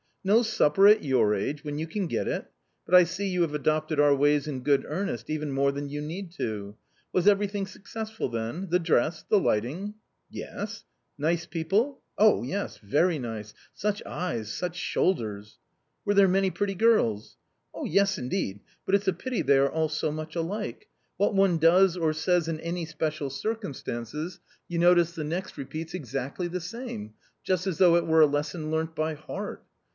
No supper at your age when you can get it ! But I see you have adopted our ways in good earnest, even more than you need to. Was everything successful then ? the dress, the lighting ?"" Yes." " Nice people ?*" Oh, yes ! very nice. Such eyes, such shoulders !"" Were there many pretty girls ?"" Yes, indeed ; but it's a pity they are all so much alike. What one does or says in any special circumstances, A COMMON STORY 65 you notice the next repeats exactly the same, just as though it were a lesson learnt by heart.